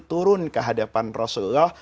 turun ke hadapan rasulullah